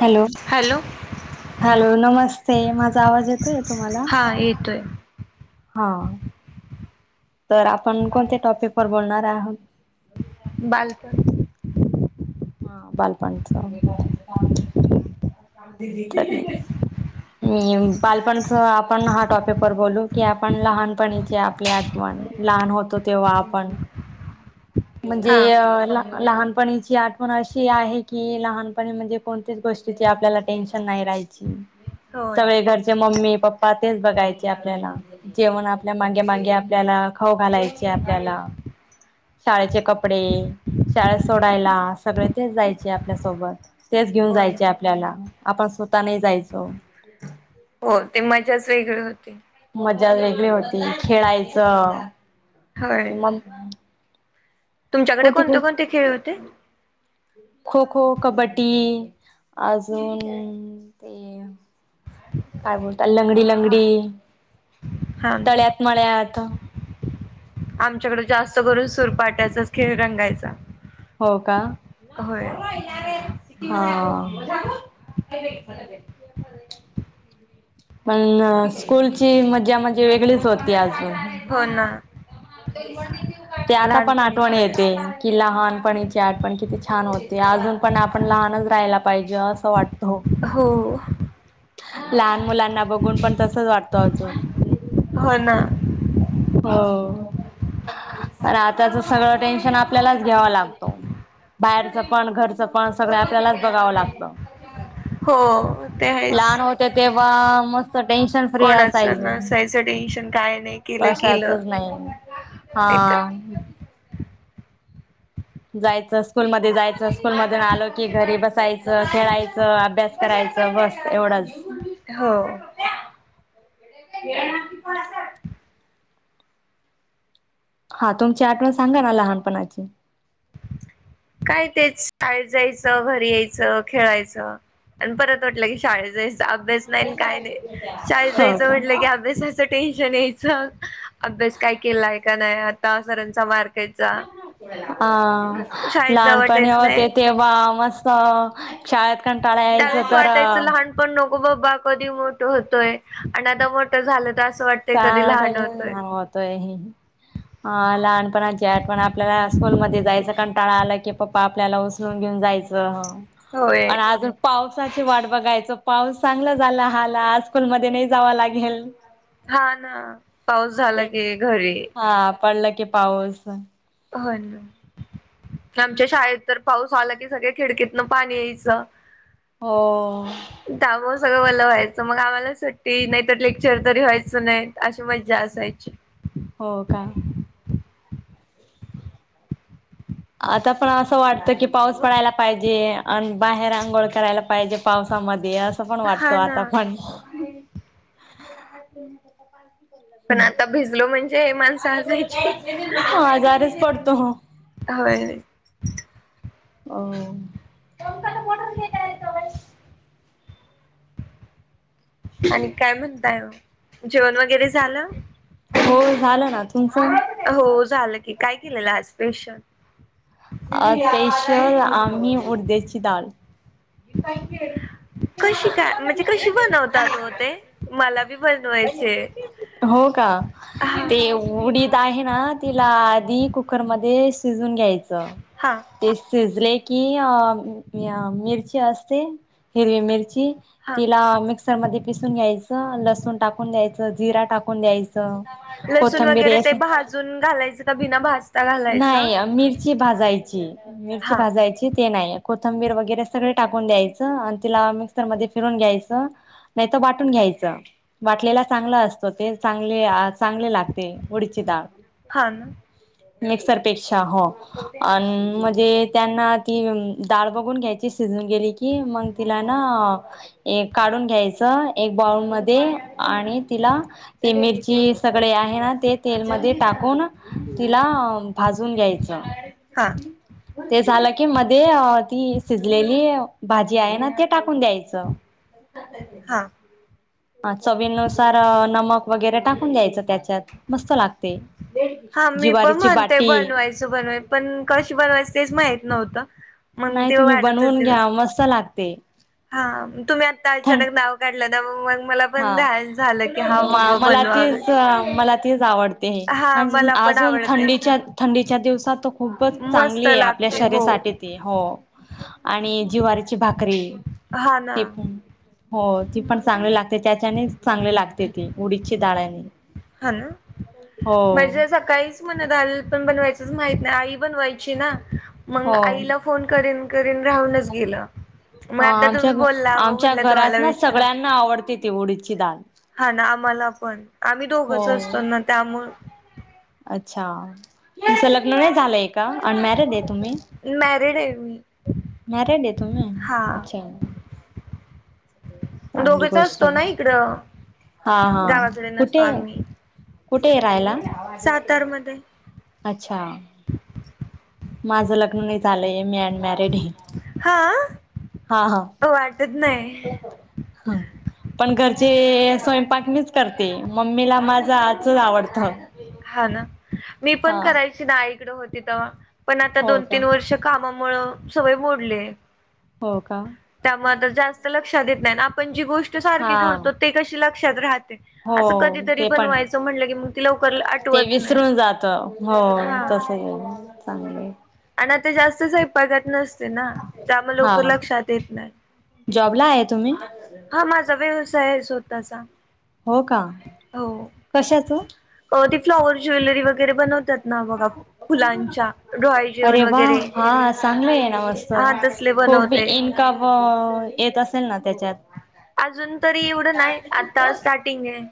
Hello hello नमस्ते माझा आवाज येतोय तुम्हाला... हा येतोय... हा.... तर आपण कोणत्या टॉपिक वर बोलणार आहोत... बालपण... हा बालपणचं... म बालपणच आपण हा टॉपिक वर बोलू... कि आपण लहानपणीचे आपले आठवण लहान होतो तेव्हा आपण... म्हणजे हा अ लहानपणीची आठ... पण अशी आहे की लहानपणी म्हणजे कोणतेच गोष्टीची आपल्याला टेन्शन नाही राहायची होय सगळे घरचे मम्मी पप्पा पातेच बघायचे आपल्याला जेवण आपल्या मागे मागे आपल्याला खाऊ घालायचे आपल्याला शाळेचे कपडे शाळेत सोडायला सगळे ते जायचे आपल्यासोबत तेच घेऊन हो ना जायचे आपल्याला आपण स्वतः नाही जायचो हो ते मजाच वेगळी होती मजा वेगळी होती खेळायचं होय कि मग तुमच्याकडे कोती कोणते कोणते खेळ होते खो खो कबड्डी अजून ते काय बोलतात लंगडी लंगडी हा तळ्यात मळ्यात आमच्याकडे जास्त करून सुूरपाटायचाच खेळ रंगायचा हो का होय हा पण स्कूलची मज्जा म्हणजे वेगळीच होती आजून हो ना ते आता पण लहानपणीच आठवण बरे येते असायच कि लहानपणीचे आठवण किती छान होती अजून पण आपण लहानच राहायला पाहिजे अस वाटत हो लहान मुलांना बघून पण तसच वाटत अजून हो ना हो आताच सगळं टेन्शन आपल्यालाच घ्यावा लागतो बाहेरचं पण घरचं पण सगळं आपल्यालाच बघावं लागत हो ते आहेच तेव्हा मस्त टेन्शन फ्री असायच कोणाचं नसायचं टेन्शन काय नाही केलं केलं पशाचच नाही हा नाहीतर जायचं स्कूलमध्ये जायचं स्कूल मधून आलो की घरी बसायचं खेळायचं अभ्यास करायचं बस एवढंच हो [inaudible] हा तुमची आठवण सांगा ना लहानपणाची काय तेच शाळ जायचं घरी यायचं खेळायचं आणि परत वाटलं की शाळेत जायच अभ्यास नाही काय नाही शाळेत हो जायचं म्हटलं का की अभ्यास टेन्शन यायच अभ्यास काय केलाय का नाही आता सरांचा मार खायचा हा लहानपणी वाटायच होते नाही ते वा मस्त शाळेत कंटाळा यायचं तर पण नको बाबा कधी मोठं होतोय आणि आता मोठं झालं तर असं वाटत त होतो आहे ह ह लहानपणा जॅट पण आपल्याला स्कूलमध्येध्ये जायचं कारण टा आलं की पप्पा आपल्याला घेऊन जायच होय पण आज पावसाची वाट बघायचं पाऊस चांगला झाला हला स्कूल मध्ये नाही जाव लागेल हा ना पाऊस ते झाला की घरी हा पडलं की पाऊस हो ना आमच्या शाळेत तर पाऊस आला कि सगळ्या खिडकीतन पाणी यायचं हो त्याब सगळं बलं व्हायचं मग आम्हाला सुट्टी नाहीतर लेक्चर तरी व्हायचं नाही अशी मज्जा असायची हो काय आता पण असं वाटतं की पाऊस पडायला पाहिजे आणि बाहेर आंघोळ करायला पाहिजे पावसामध्ये असं पण वाटतो हा आता ना पण पण आता भिजलो म्हणजे हे माणसं हसायची. ह हजारच पडतो. होय. होठ आणि काय म्हणताय जेवण वगैरे झालं. हो झालं ना तुमचं? हो झालं की काय केलेलं स्परेशन अ तेश आम्ही उडद्याची डाळ. कशी काय म्हणजे कशी बनवतात त ते मला बी बनवायचे. हो का हा ते उडी आहे ना तिला आधी कुकरमध्येध्ये शिजून घ्यायचं. हां. ते शिजले की मिरची असते. हिरवी मिरची हा तिला मिक्सरमध्येध्ये पिसून घ्यायचं लसूण टाकून द्यायचं जिरा टाकून द्यायचं. [unintelligible] लसूण वगैरे ते कोथंबीर भाजून घालायचं का भिना भाज नाही मिरची भाजायची मिरची हा भाजायची ते नाही. कोथंबीर वगैरे सगळे टाकून द्यायचं आणि तिला मिक्सरमध्येध्ये फिरून घ्यायचं नाही तर वाटून घ्यायचं वाटलेला चांगला असतो ते चांगले चांगले लागते उडीची डाळ हा मिक्सरपेक्षा हो आणि म्हणजे त्यांना ती डाळ बघून घ्यायची शिजून गेली की मग तिला ना एक काढून घ्यायच एक बाऊलमध्ये आणि तिला ते मिरची सगळे आहे ना ते तेलमध्ये टाकून तिला भाजून घ्यायचं. हा. ते झालं की मध्ये ती शिजलेली भाजी आहे ना ते टाकून द्यायचं. हा ह चवीनुसार नमक वगैरे टाकून द्यायचं त्याच्यात मस्त लागते. देड हा मी पण म्हणतेय बनवायचं बनवाय पण कशी बनवायचं तेच माहित नव्हतं. मग नाही तेव तुम्ही वाढतच बनवून दिवस घ्या मस्त लागते हा तुम्ही आता थंड अचानक नाव काढला. हा मला बनवावे. तेीच मला तीच आवडते. हा आणि मला पण अजून आवडते थंडीच्या थंडीच्या दिवसात तर खूपच मस्त चांगली आहे आपल्या लागते हो शरीरासाठी हो आणि जिवारीची भाकरी हा ना. ते पण हो ती पण चांगली लागते त्याच्यानेच चांगली लागते ती उडीदची दाडांनी हा ना म्हझे सकाळी म्हणा दाल पण बनवायचच माहित नाही आई बनवायची ना. मग हो आईला फोन करीन करीन राहूनच गेलं. मग आता आमच्या तुम्ही बोलला आमच्या म्हटलं तुम्हाला घरात ना विचार सगळ्यांना आवडते ती डी ची दाल. हा ना आम्हाला पण आम्ही दोघंच असतो हो. ना त्यामु अच्छा तुमचं लग्न नाही झालंय का अनमॅरेड आहे तुम्ही मॅरिड आहे मी माराड तोम हा अच्छा. चांगली दोघेचा गोष्ट असतो आहे ना इकडं. हा हा गावाकडे नसतो कुठे आम्ही कुठे राहायला. सातारमध्ये अच्छा. [unintelligible] [unintelligible] हा हा वाटत नाही. हा. पण घरचे स्वयंपाक मीच करते मम्मीला माझाच आवडत. हा ना मी पण करायची नाआई कड होती तेव्हा पण आता हो दोन का तीन वर्ष कामामुळे सवय मोडले. हो का. त्यामुळे तर जास्त लक्षात येत नाही आपण जी गोष्ट सारखी हा करतो ते कशी लक्षात राहते. हो असं कधीतरी ते पण बनवायचं आहे म्हटलं की मग तिला ते विसरून जात हो हा तस ये चांगलंय. आणि आता जास्त स्वयंपाकात नसते ना त्यामुळे लवकर हा लक्षात येत नाही. जॉबला आहे तुम्ही? हा माझा व्यवसाय आहे स्वतःचा. हो का कशाच? ते फ्लॉवर ज्वेलरी वगैरे बनवतात. ना बघा फुलांच्या डोहाळे जेवण अरे वा वगैरे हा चांगलं हा तसले बनवते. का येत असेल ना त्याच्यात अजून तरी एवढं नाही आता स्टार्टिंग आहे.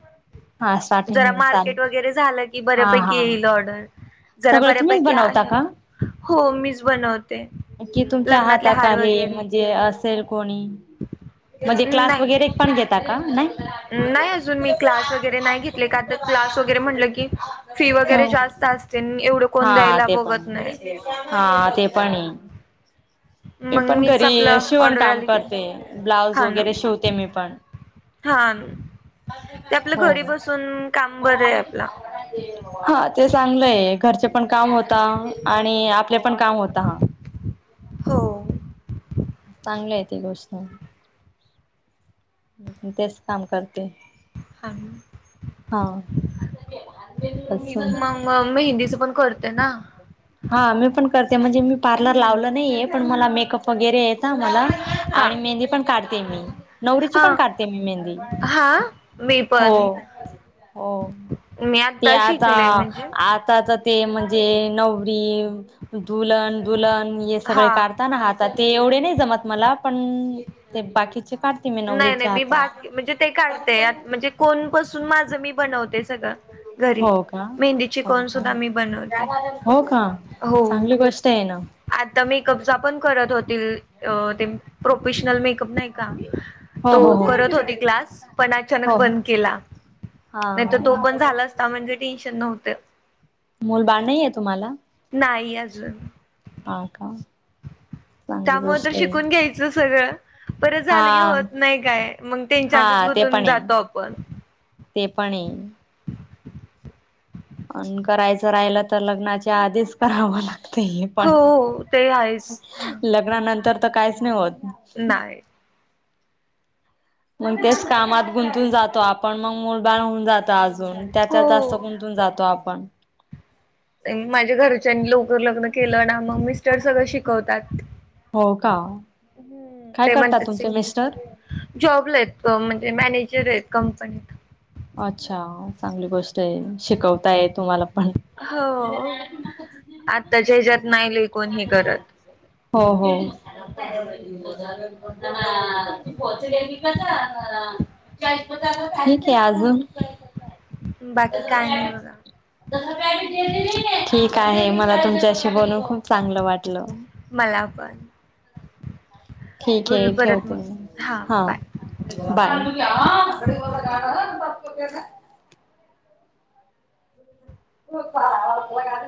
हा जरा स्टार्टिंग चालेल मार्केट वगैरे झालं की हा बऱ्यापैकी हा येईल ऑर्डर जरा सगळं तुम्हीच बऱ्यापैकी बनवता आहे का आता हो मीच बनवत. कि तुमच्या हाताखले म्हणजे असेल कोणी म्हणजे क्लास नाही वगैरे पण घेता का नाही. नाही अजून मी क्लास वगैरे नाही घेतले का तर क्लास वगैरे म्हटलं की फी वगैरे हो जास्त असते एवढं कोण हा द्यायला ते पण बघत नाही. हा ते पाणी. मी मग पण मीच आपला घरी शिवण ऑर्डर काम आली की करते ब्लाउज हा ना वगैरे शिवते मी पण. हा ते हो आपलं घरी हो. बसून काम बरं आहे आपला. हा ते चांगलंय घरचे पण काम होता आणि आपले पण काम होता हा. हो. चांगलं आहे ते गोष्ट. मी पण तेच काम करते. हा हा अच्छा. म मेहंदीचं पण करते ना. हा मी पण करते म्हणजे मी पार्लर हम्म लावलं नाहीये पण मला मेकअप वगैरे येत मला. हा आणि मेहंदी पण काढते मी नवरीची हा पण काढते मी मेहंदी. हा मी हो पण हो मी ते आता शिकले म्हणजे आता तर ते म्हणजे नवरी दुल्हन दुल्हन हे सगळे हा काढताना हात ते एवढे नाही जमत मला पण ते बाकीचे काढ नाही नाही मी बाकी म्हणजे ते काढते म्हणजे कोणापासून माझं मी बनवते सगळं. घरी हो का मेहंदी चे हो कोन का सुद्धा मी बनवते हो का हो. चांगली गोष्ट आहे ना आता मेकअपचा पण करत होतील ते प्रोफेशनल मेकअप नाही का हो तो हो करत हो होती क्लास पण अचानक हो बंद केला नाही तर तो हा पण झाला असता. हा म्हणजे टेन्शन नव्हतं. मुल बाळ नाहीये तुम्हाला? नाही अजून. हा का. चांगली त्यामुळे तर गोष्ट आहे शिकून घ्यायच. सगळं परत झालं की हा होत नाही काय मग त्यांच्यातच हा ते गुतून पण आहे जातो आपण. ते पण आहे. अ करायचं राहिलं तर लग्नाच्या आधीच करावं लागतं. हे पण हो ते आहेच लग्नानंतर तर काहीच नाही होत नाही. मग तेच कामात गुंतून जातो आपण मग मुडबाळ होऊन जातो अजून त्याच्यात जास्त हो. गुंंतून जातो आपण माझ्या घरच्यांनी लवकर लग्न केलं ना मग मी सगळ शिकवतात हो का काय ते करतात म्हणतात तुमचे मिस्टर जॉबला आहेत म्हणजे मॅनेजर आहेत कंपनीत अच्छा चांगली गोष्ट आहे शिकवताय तुम्हाला पण हो आताच्या ह्याच्यात नाही ल कोणी ह करत हो हो तू पोहचलेली कसा माथे अजून बाकी काय नाही बघा ठीक आहे मला तुमच्याशी बनून खूप चांगलं वाटल मला पण ठीक बोलू आहे परत ठेवते मग म हा बाय. का हो